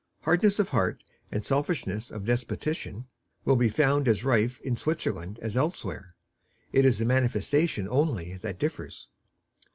Hardness of heart and selfishness of disposition will be found as rife in Switzerland as elsewhere; it is the manifestation only that differs.